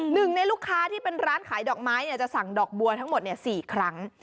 หนึ่งในลูกค้าที่เป็นร้านขายดอกไม้จะสั่งดอกบัวทั้งหมด๔ครั้ง